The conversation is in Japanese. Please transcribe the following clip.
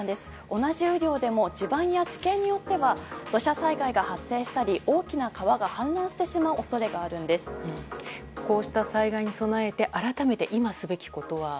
同じ雨量でも地盤や地形によっては土砂災害が発生したり大きな川が氾濫してしまうこうした災害に備えて改めて今すべきことは。